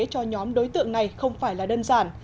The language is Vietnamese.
cho nhóm đối tượng này không phải là đơn giản